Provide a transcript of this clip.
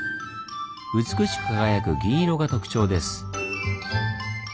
美しく輝く銀色が特徴です。